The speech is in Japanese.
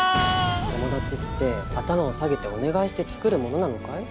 友達って頭を下げてお願いして作るものなのかい？